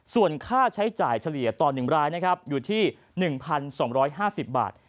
ส่วนค่าใช้จ่ายเฉลี่ยต่อ๑รายนะครับอยู่ที่๑๒๕๐บาท